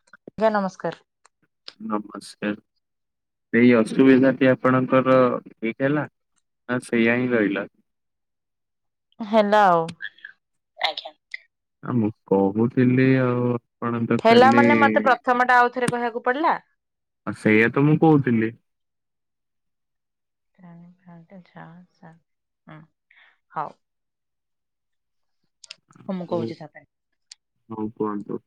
ଆଜ୍ଞା ନମସ୍କାର ନମସ୍କାର ସେଇ ଅସୁବିଧାଟି ଆପଣଙ୍କର ଠିକ ହେଲା ନା ସେଇୟା ହିଁ ରହିଲା। ହେଲା ଆଉ- ଆ ମୁଁ କହୁଥିଲି ଆଉ ଆପଣ ତ ଠେଲା ଖାଲି ମାନେ ମତେ ପ୍ରଥମ ଟା ଆଉ ଥରେ କହିବାକୁ ପଡିଲା ଆଉ ସେଇଆତ ମୁଁ କହୁଥିଲି ହଉ ହଁ ମୁଁ ହଉ କହୁଛି ହଉ କୁହନ୍ତୁ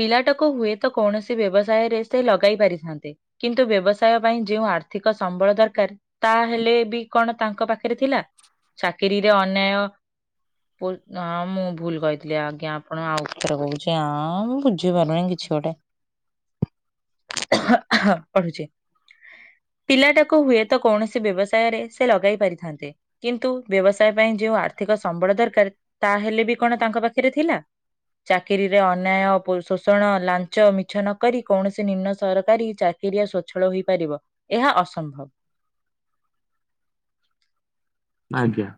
ପିଲାଟାକୁ ହୁଏତ କୌଣସି ବ୍ୟବସାୟରେ ସେ ଲଗାଇ ପାରିଥାନ୍ତେ କିନ୍ତୁ ବ୍ୟବସାୟ ପାଇଁ ଯେଉଁ ଆର୍ଥିକ ସମ୍ବଳ ଦରକାର ତାହେଲେ ବି କଣ ତାଙ୍କ ପାଖରେ ଥିଲା ଚାକିରିରେ ଅନ୍ୟାୟ ହଁ ମୁଁ ଭୁଲ କହିଥିଲି ଆଜ୍ଞା ଆପଣ ଆଉ ଉତ୍ତର ହଉଛି ଆଉଁ ବୁଝି ପାରୁନି କିଛି ଛୁଆଟା ପଢୁଛି ପିଲାଟାକୁ ହୁଏତ କୌଣସି ବ୍ୟବସାୟରେ ସେ ଲଗାଇ ପାରିଥାନ୍ତେ କିନ୍ତୁ ବ୍ୟବସାୟ ପାଇଁ ଯେଉଁ ଆର୍ଥିକ ସମ୍ବଳ ଦରକାର ତାହା ହେଲେ ବି କଣ ତାଙ୍କ ପାଖରେ ଥିଲା ଚାକିରୀରେ ଅନ୍ୟାୟ ଶୋଷଣ ଲାଞ୍ଚ ମିଛ ନକରି କୌଣସି ନିମ୍ନ ସରକାରୀ ଚାକିରିଆ ସ୍ଵଚ୍ଛଳ ହୋଇପାରିବ- ଏହା ଅସମ୍ଭବ ଆଜ୍ଞା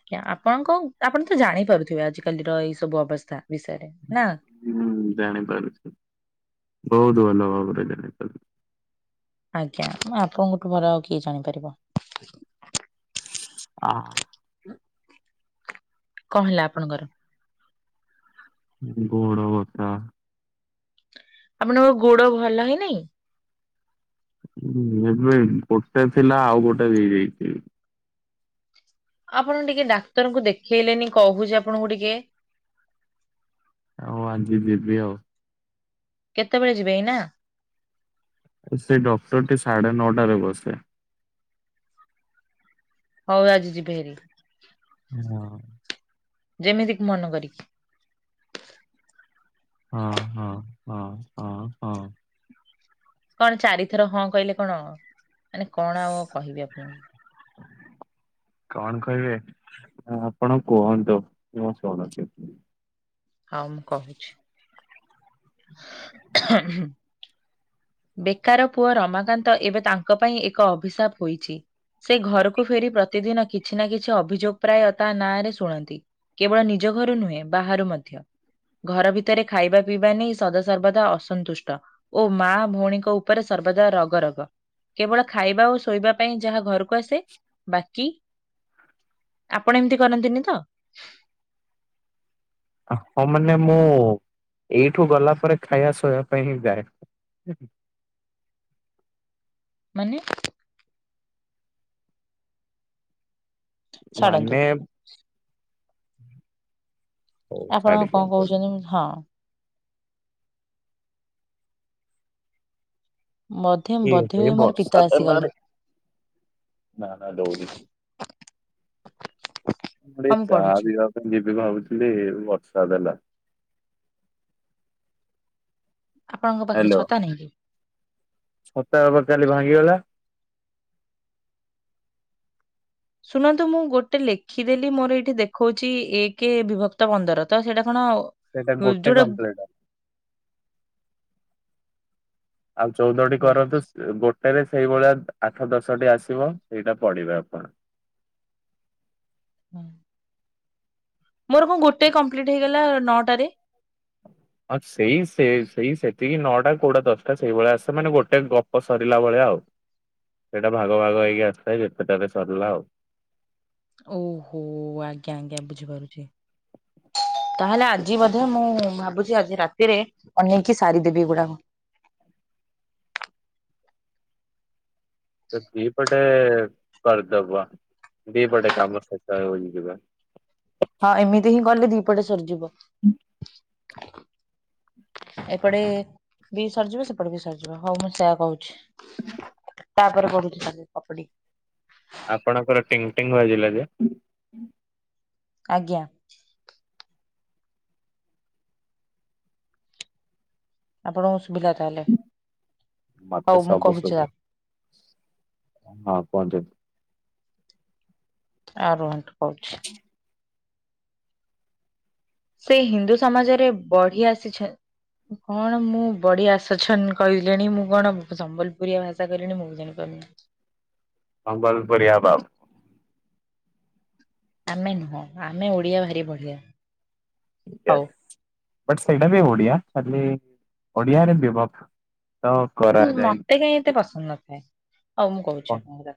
ଆଜ୍ଞା ଆପଣଙ୍କ ଆପଣ ତ ଜାଣିପାରୁଥିବେ ଆଜି କାଲିର ଏଇ ସବୁ ଅବସ୍ଥା ବିଷୟରେ ନା ହୁଁ ଜାଣିପାରୁଛି ବହୁତ ଭଲ ଭାବରେ ଜାଣିପାରୁ- ଆଜ୍ଞା ଆପଣଙ୍କଠୁ ଭର ଆଉ କିଏ ଜାଣିପାରିବ [inaudible] ଅଁ କଁ ହେଲା ଆପଣଙ୍କର? ଗୋଡ ବଥା - ଆପଣଙ୍କ ଗୋଡ ଭଲ ହେଇ ନାଇଁ ଁ ଯେବେ ଗୋଟେ ଥିଲା ଆଉ ଗୋଟେ ହେଇଯାଇଛି ଆପଣ ଟିକେ ଡାକ୍ତରଙ୍କୁ ଦେଖେଇଲେନି କହୁଛି ଆପଣଙ୍କୁ ଟିକେ ହଉ ଆଜି ଯିବି ଆଉ କେତେବେଳେ ଯିବେ ଏଇନା ସେ ଡକ୍ଟରଟି ସାଢେ ନଅଟାରେ ବସେ ହଉ ଆଜି ଯିବେ ହେରି ହଁ ଯେମିତିକି ମନ କରିକି- ହଁ ହଁ। ହଁ। ହଁ ହଁ କଣ ଚାରିଥର ହଁ କହିଲେ କଣ ମାନେ କଣ ଆଉ କହିବି ଆପଣଙ୍କୁ। ହ [inaudible] କଣ କହିବେ ଆପଣ କୁହନ୍ତୁ ମୁଁ ଶୁଣୁଚି। ହଁ ମୁଁ କହୁଛି। [inaudible] ବେକାର ପୁଅ ରମାକାନ୍ତ ଏବେ ତାଙ୍କ ପାଇଁ ଏକ ଅଭିଶାପ ହୋଇଛି। ସେଇ ଘରକୁ ଫେରି ପ୍ରତିଦିନ କିଛି ନା କିଛି ଅଭିଯୋଗ ପ୍ରାୟ ତା ନାଁରେ ଶୁଣନ୍ତି। କେବଳ ନିଜ ଘରୁ ନୁହେଁ ବାହାରୁ ମଧ୍ୟ। ଘର ଭିତରେ ଖାଇବା ପିଇବା ନେଇ ସଦାସର୍ବଦା ଅସନ୍ତୁଷ୍ଟ ଓ ମା ଭଉଣୀଙ୍କ ଉପରେ ସର୍ବଦା ରଗ ରଗ କେବଳ ଖାଇବା ଓ ଶୋଇବା ପାଇଁ ଯାହା ଘରକୁ କୁ ଆସେ ବାକି ଆପଣ ଏମିତି କରନ୍ତିନି ତ? ଆପଣ ମାନେ ମୁଁ ଏଇଠୁ ଗଲା ପରେ ଖାଇବା ଶୋଇବା ପାଇଁ ହିଁ ଯାଏ। ମାନେ? ଛାଡନ୍ତୁ ମାନେ? ହଉ ଆପଣ ଛାଡି କଣ ଦିଅନ୍ତୁ। କହୁଛନ୍ତି? ହଁ। ବୋଧେ ବୋଧେ ଏହେ ହୁଏ ମୋର ପିତା ବର୍ଷା ଆସିଗଲେ। ଦିନରେ, ନା ନା ଦଉନି। ମୁଁ ଟିକେ ହଁ ଚାହା ପଢୁଛି ପିଇବା ପାଇଁ ଯିବି ଭାବୁଥିଲି ବର୍ଷା ଦେଲା। ଆପଣଙ୍କ ପାଖରେ ହ୍ୟାଲୋ। ଛତା ନାହିଁ? ଛତା ବା କାଲି ଭାଙ୍ଗିଗଲା। ଶୁଣନ୍ତୁ ମୁଁ ଗୋଟେ ଲେଖିଦେଲି ମୋର ଏଇଠି ଦେଖଉଛି ଏକ ବିଭକ୍ତ ପନ୍ଦର ତ ସେଇଟା କଣ? ସେଇଟା ଗୋଟେ ଯୋଉଟା କମ୍ପ୍ଲିଟ ଆଉ ଚଉଦଟି କରନ୍ତୁ ଗୋଟେରେ ସେଇଭଳିଆ ଆଠ ଦଶଟି ଆସିବ ସେଇଟା ପଡିବେ ଆପଣ। ହୁଁ। ମୋର କଣ ଗୋଟେ କମ୍ପ୍ଲିଟ୍ ହେଇଗଲା ନଅଟାରେ? ହଁ ସେଇ ସେ ସେଇ ସେତିକି ନଅଟା କୋଉଟା ଦଶଟା ସେଇଭଳିଆ ଆସେ ମାନେ ଗୋଟେ ଗପ ସରିଲା ଭଳିଆ ଆଉ। ସେଇଟା ଭାଗ ଭାଗ ହେଇକି ଆସିଥାଏ ଯେତେଟାରେ ସରିଲା ଆଉ। ଓହୋ ଆଜ୍ଞା ଆଜ୍ଞା ବୁଝିପାରୁଛି। ତାହେଲେ ଆଜି ମଧ୍ୟ ମୁଁ ଭାବୁଛି ଆଜି ରାତିରେ ଅନେଇକି ସାରିଦେବି ଏଗୁଡାକ। ଦିପଟେ କରିଦବ। ଦି ପଟେ କାମ [unintelligible] ହଁ ଏମିତି ହିଁ କଲେ ଦିପଟେ ସରିଯିବ। ଏପଟେ ବି ସରିଯିବ ସେପଟେ ବି ସରିଯିବ ହଉ ମୁଁ ସେୟା କହୁଛି। ତାପରେ ପଢୁଛି [unintelligible] ଆପଣଙ୍କର ଟିଙ୍ଗଟିଙ୍ଗ ବାଜିଲା ଯେ, ଆଜ୍ଞା। ଆପଣଙ୍କୁ ସୁଭିଲା ତାହେଲେ। ମତେ ହଉ ମୁଁ ସବୁ କହୁଛି ଶୁଭେ ହଁ କୁହନ୍ତୁ। ଆ ଉ ରୁହନ୍ତୁ କହୁଛି। ସେ ହିନ୍ଦୁ ସମାଜରେ ବଢି ଆସିଛ କଣ ମୁଁ ବଡିି ଆସୁଛନ କହିଲିଣି ମୁଁ କଣ ସମ୍ବଲପୁରୀଆ ଭାଷା କହିଲିଣି ମୁଁ ଜାଣିପାରୁନି। ସମ୍ବଲପୁରୀ ଆ ବାବୁ ଆମେ ନୁହଁ ଆମେ ଓଡ଼ିଆ ଭାରି ବଢ଼ିଆ। ୟେଶ୍। ବଟ୍ ସେଇଟା ବି ଓଡିଆ ଖାଲି ଓଡିଆରେ ବିଭକ୍ତ ହୁଁ ମତେ କାହିଁ ଏତେ କରାଯାଇଛି ପସନ୍ଦ ନଥାଏ ହଉ ମୁଁ କହୁଛି କଣ ଆପଣଙ୍କର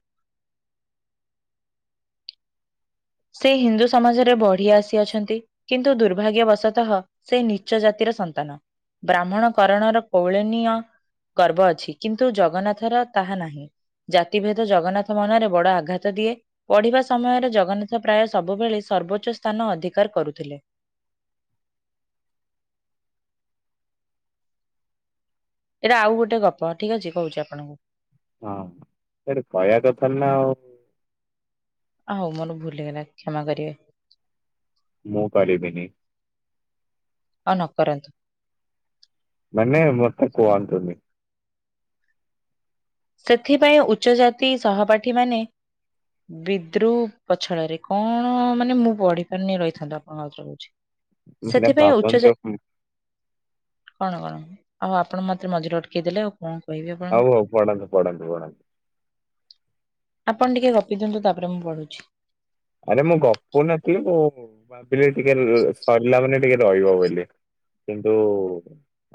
ସେ ହିନ୍ଦୁ ସମାଜରେ ବଢି ଆସି ଅଛନ୍ତି କିନ୍ତୁ ଦୁର୍ଭାଗ୍ୟବଶତଃ ସେ ନିଚ ଜାତିର ସନ୍ତାନ। ବ୍ରାହ୍ମଣ କରଣର କୌଳନୀୟ। ଗର୍ବ ଅଛି କିନ୍ତୁ ଜଗନ୍ନାଥ ର ତାହା ନାହିଁ। ଜାତିଭେଦ ଜଗନ୍ନାଥ ମନରେ ବଡ ଆଘାତ ଦିଏ ପଢିବା ସମୟରେ ଜଗନ୍ନାଥ ପ୍ରାୟ ସବୁବେଳେ ସର୍ବୋଚ୍ଚ ସ୍ଥାନ ଅଧିକାର କରୁଥିଲେ। ଏଇଟା ଆଉ ଗୋଟେ ଗପ ଠିକ ଅଛି କହୁଛି ଆପଣଙ୍କୁ ହଁ ସେଇଠି କହିବା କଥା ନା ଆଉ ଆ ହଉ ମୋର ଭୁଲ ହେଇଗଲା କ୍ଷମା କରିବେ ମୁଁ ପାରିବିନି। ହଁ ନ କରନ୍ତୁ। ମାନେ ମୋତେ କୁହନ୍ତୁନି। ସେଥିପାଇଁ ଉଚ୍ଚ ଜାତି ସହପାଠୀ ମାନେ ବିଦ୍ରୁ ପଛଡରେ କଣ ମାନେ ମୁଁ ପଢି ପାରିନି ରହିଥାନ୍ତ ଆପଣଙ୍କ କହୁଛି ମାନେ ସେଥିପାଇଁ ଉଚ୍ଚ ଭାବନ୍ତୁ କଣ କଣ ଆଉ ଆପଣ ମତେ ମଝିରେ ଅଟକେଇ ଦେଲେ ଆଉ କଣ କହିବି ଆପଣଙ୍କୁ। ପଡ଼ନ୍ତନ୍ତି ପଢନ୍ତୁ ପଡ଼ନ୍ତନ୍ତି ଆପଣ ଟିକେ ଗପି ଦିଅନ୍ତୁ ତାପରେ ମୁଁ ପଢୁଛି ଆରେ ମୁଁ ଗପୁ ନଥିଲି ମୁଁ ଭାବିଲି ଟିକେ ସରିଲା ମାନେ ଟିକେ ରହିବ ବୋଲି। କିନ୍ତୁ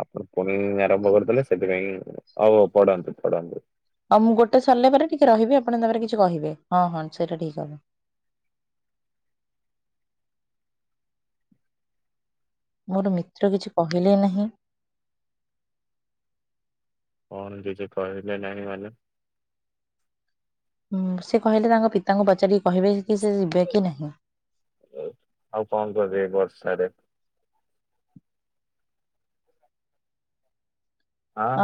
ଆପଣ ପୁଣି ଆରମ୍ଭ କରିଦେଲେ ସେଥିପାଇଁ ହଉ ପଢନ୍ତୁ ପଢନ୍ତୁ। ହଉ ମୁଁ ଗୋଟେ ସରିଲା ପରେ ଟିକେ ରହିବି ଆପଣ ତାପରେ କିଛି କହିବେ ହଁ ହଁ ସେଇଟା ଠିକ୍ ହବ ମୋର ମିତ୍ର କିଛି କହିଲେ ନାହିଁ କଣ କିଛି କହିଲେ ନାହିଁ ମାନେ ହଁ ସେ କହିଲେ ତାଙ୍କ ପିତାଙ୍କୁ ପଚାରିକି କହିବେ କି ସେ ଯିବେ କି ନାହିଁ। ଆଉ ଆଉ କଣ କରିବେ ଏଇ ବର୍ଷାରେ?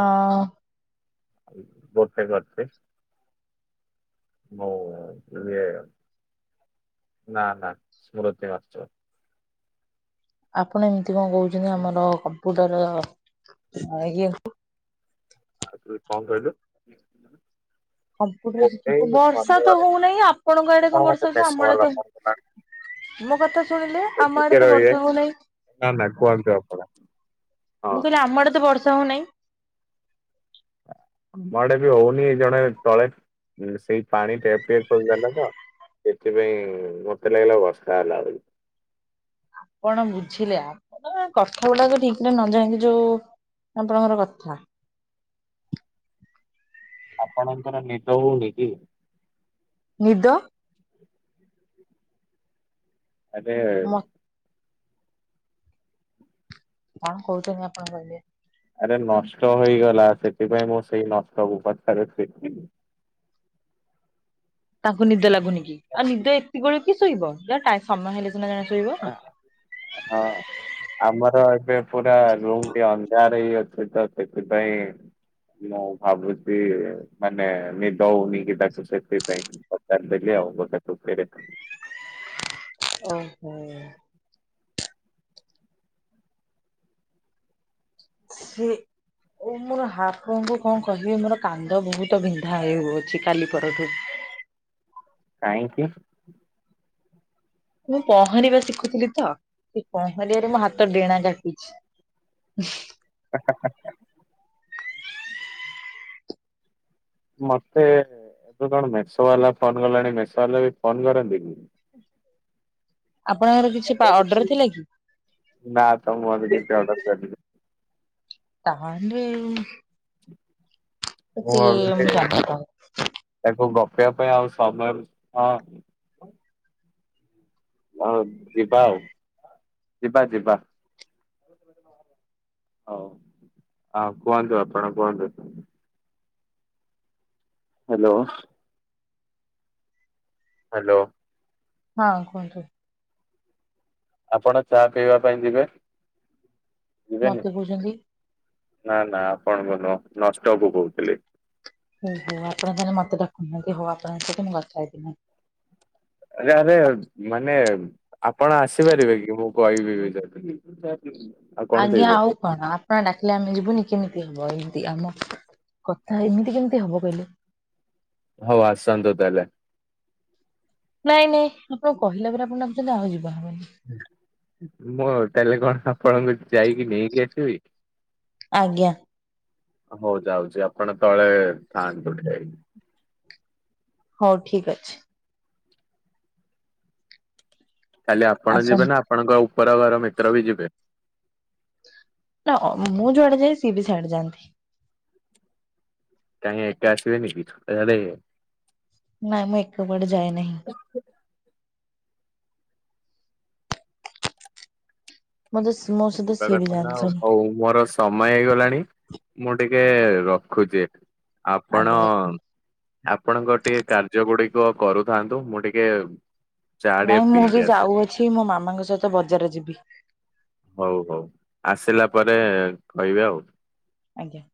ଅ ବହୁତ ଖ ଅଛି ହଉ ନା ନା ସ୍ମୃତି ଆପଣ ଏମିତି କଣ କହୁଛନ୍ତି ଆମର କମ୍ପ୍ୟୁଟର ଇଏ କ ଆ ପାୁ ସବୁ ବର୍ଷା ତ ହଉନାହିଁ ଆପଣଙ୍କ ଏ ଆଡେ କଣ ମତେ ବର୍ଷା ହଛି ମେଷ ଆମର ବାଲା ତ ଫୋନ କଲାଣି ମୋ କଥା ଶୁଣିଲି ଏ ଆମ ଟିକେ ଆଡେ ତ ରହିବେ ବର୍ଷ ହଉ ନାହିଁ ନା ନା କୁହନ୍ତୁ ଆପଣ ହଁ ମୁଁ କହିଲି ଆମର ତ ବର୍ଷା ହଉ ନାହିଁ ଆମ ଆଡେ ବି ହଉନି ଜଣେ ତଳେ ସେଇ ପାଣି ଟେପ ଟେପ କରିଦେଲେ ତ ସେଥିପାଇଁ ମତେ ଲାଗିଲା ବର୍ଷା ହେଲା ବୋଲି। କଣ ବୁଝିଲେ ଆପ କଥା ଗୁଡାକ ଠିକ ଟ ନ ଯାାଇକି ଯୋଉ ଆପଣଙ୍କର କଥା ଆପଣଙ୍କର ନିଦ ହଉନି କି ନି ଆରେ ମ କଣ କହୁଛନ୍ତି ଆପଣ କହିଲେ ଆରେ ନଷ୍ଟ ହେଇଗଲା ସେଥିପାଇଁ ମୁଁ ସେଇ ନଷ୍ଟକୁ ପାଥରେ ଫି ତାଙ୍କୁ ନିଦ ଲାଗୁନି କି ଆଉ ନିଦ ଏତିକି ବେଳୁ କିଏ ଶୋଇବ ତା ଟାଇ ସମୟ ହେଲେ ସିନା ଜଣେ ଶୋଇବ। ଆ- ହଁ। ଆମର ଏବେ ପୁରା ରୁମ୍ ଟି ଅନ୍ଧାର ହେଇ ଅଛି ତ ସେଥିପାଇଁ ମୁଁ ଭାବୁଛି ମାନେ ନିଦଉନି କି ତାକୁ ସେଥିପାଇଁ ପଚାରିଦେଲି ଆଉ ଗୋଟେ ଖୁସିରେ। ଓହୋ। ହୁଁ। ସେ ଓ ମୋର ଆପଣଙ୍କୁୁ କଣ କହିବି ମୋର କାନ୍ଦ ବହୁତ୍ ବିନ୍ଧା ହେଉଅଛି କାଲି ପରଠୁ। କାହିଁକି? ମୁଁ ପହଁରିବା ଶିଖୁଥିଲି ତ ସେ ପହଁରିବାରେ ମୋ ହାତ ଡେଣା କାଟିଛି। [inaudible] [inaudible] ମତେ ଏବେ କଣ ମେସୋ ବାଲା ଫୋନ୍ କଲାଣି ମେସୋ ବାଲା ବି ଫୋନ୍ କରନ୍ତି କି? ଆପଣଙ୍କର କିଛି ପା ଅର୍ଡର ଥିଲା କି? ନା ତ ମର କିଛି ଅର୍ଡର କରିିନି। ତାହାଲେ ମୁଁ ଭାବିଲି ତାକୁ ଗପିବା ପାଇଁ ଆଉ ସମୟ ହଁ। ହଁ ଯିବା ଆଉ ଯିବା ଯିବା। [unintelligible] ହଉ ଆଉ କୁହନ୍ତୁ ଆପଣ କୁହନ୍ତୁ। ହାଲୋ। ହାଲୋ। ହଁ କୁହନ୍ତୁ। ଆପଣ ଚା ପିଇବା ପାଇଁ ଯିବେ? ଯିବେନି? ମତେ କଉଚନ୍ତି। ନା ନା ଆପଣଙ୍କୁ ନୁହଁ ନ ନଷ୍ଟକୁ କହୁଥିଲି। ଓହୋ ଆପଣ ତାହେଲେ ମତେ ଡାକୁ ନାହାଁନ୍ତି ହଉ ଆପଣଙ୍କ ସହିତ ମୁଁ କଥା ହେବିନି। ଆରେ ଆରେ ମାନେ ଆପଣ ଆସିପାରିବେ କି ମୁଁ କହିବି ବି ଯଦି। ଆଉ କଣ ଆଜ୍ଞା ପିଇବେ ଆଉ କଣ ଆପଣ ଡାକିଲେ ଆମେ ଯିବୁନି କେମିତି ହବ ଏମିତି ଆମ କଥା ଏମିତି କେମିତି ହବ କହିଲେ। ହଉ ଆସନ୍ତୁ ତାହେଲେ। ନାଇଁ ନାଇଁ ଆପଣ କହିଲା ପରେ ଆପଣ ଡାକୁଚନ୍ତି ଆଉ ଯିବାରନାହିଁ। ମୁଁ ତାହାଲେ କଣ ଆପଣଙ୍କୁ ଯାଇକି ନେଇକି ଆସିବି? ଆଜ୍ଞା। ହଉ ଯାଉଚି ଆପଣ ତଳେ ଥାଆନ୍ତୁ ଠିଆ ହେଇକି। ହଉ ଠିକ୍ ଅଛି। କାଲି ଆପଣ ଯିବେ ଆସନ୍ତୁ ନା ଆପଣଙ୍କ ଉପର ଘର ମିତ୍ର ବି ଯିବେ? ନା ଅ ମୁଁ ଯୁଆଡ଼େ ଯାଏ ସିଏବି ସିଆଡ଼େ ଯାଆନ୍ତି। କାହିଁ ଏକା ଆସିବେନି କି ଛକ ଆଡ଼େ? ନାଇଁ ମୁଁ ଏକା କୁଆଡ଼େ ଯାଏ ନାହିଁ। [unintelligible] ମୋତେ ସେ ଯିବା କଥା ନା ହଉ ମୋର ସ ସମୟ ହେଇଗଲାଣି ମୁଁ ଟିକେ ରଖୁଛି ଏଠୁ ଆଜ୍ଞା ଆପଣ ରଖନ୍ତୁ। ଆପଣଙ୍କ ଟିକେ କାର୍ଯ୍ୟ ଗୁଡ଼ିକ କରୁଥାନ୍ତୁ ମୁଁ ଟିକେ ଚା ଟିକେ ପିଇକି ଆସେ। ଛି ମୋ ମାମାଙ୍କ ସହିତ ବଜାର ଯିବି। ହଉ ହଉ ଆସିଲା ପରେ କହିବେ ଆଉ। ଆଜ୍ଞା।